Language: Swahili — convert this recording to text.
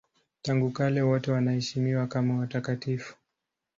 Tangu kale wote wanaheshimiwa kama watakatifu.